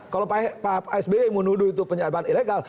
kalau pak sby menuduh itu penyadapan ilegal